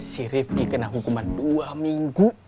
si rifky kena hukuman dua minggu